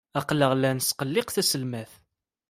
Aql-aɣ la nesqelliq taselmadt.